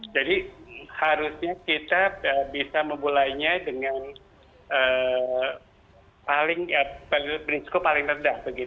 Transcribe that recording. jadi harusnya kita bisa memulainya dengan berisiko paling rendah